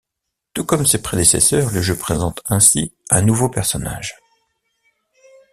Tout comme ses prédécesseurs, le jeu présente ainsi un nouveau personnage.